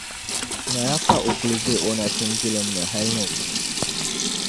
Naya ka o kuli be o nachimbilim ni hali ni zuŋɔ.